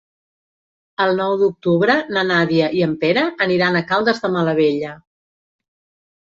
El nou d'octubre na Nàdia i en Pere aniran a Caldes de Malavella.